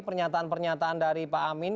pernyataan pernyataan dari pak amin